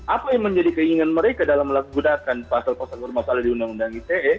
apa yang menjadi keinginan mereka dalam menggunakan pasal pasal bermasalah di undang undang ite